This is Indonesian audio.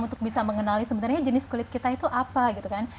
untuk bisa mengenali sebenarnya jenis kulit kita itu apa gitu kan